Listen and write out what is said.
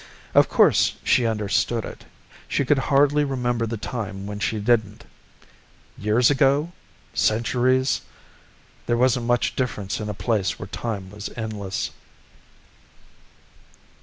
Of course she understood it. She could hardly remember the time when she didn't. Years ago? Centuries? There wasn't much difference in a place where time was endless.